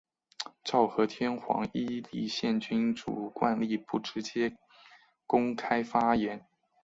昭和天皇依立宪君主惯例不直接公开发言。